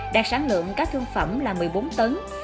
đạt sản lượng cá thương phẩm là một mươi bốn tấn